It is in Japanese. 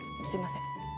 すいません。